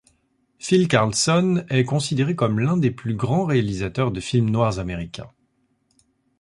Phil Karlson est considéré comme l'un des plus grands réalisateurs de films noirs américains.